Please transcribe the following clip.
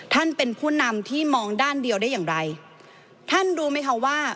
ท่านเป็นผู้นำที่มองด้านเดียวได้อย่างไรท่านรู้ไหมคะว่า